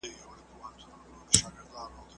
هغه کسان چي لېوالتیا لري تل تر نورو مخکې وي.